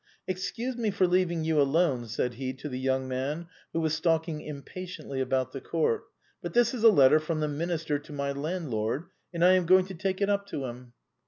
" Excuse me for leaving you alone," said he to the young man who was stalking impatiently about the court, " but this is a letter from the Minister to my landlord, and I am going to take it up to him."